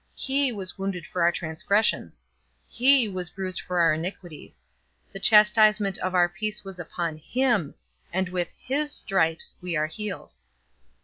"He was wounded for our transgressions; he was bruised for our iniquities. The chastisement of our peace was upon him: and with his stripes we are healed."